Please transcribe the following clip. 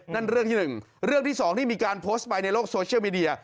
เรื่องที่๑เรื่องที่๒ที่มีการโพสต์ไปในโลกโซเชียลมีเดีย